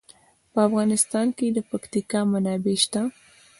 په افغانستان کې د پکتیکا منابع شته.